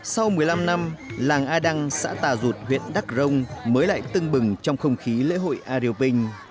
sau một mươi năm năm làng a đăng xã tà rụt huyện đắk rông mới lại tưng bừng trong không khí lễ hội ayoping